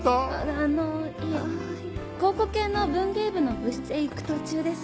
あのいえ考古研の文芸部の部室へ行く途中です。